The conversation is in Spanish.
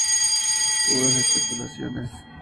Puras especulaciones.